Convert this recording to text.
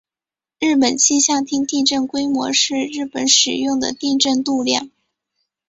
日本气象厅地震规模是日本使用的地震度量。